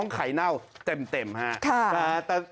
น้องไขน้าวเต็มครับ